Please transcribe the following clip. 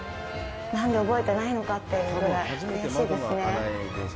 何で覚えてないのかというぐらい悔しいですね。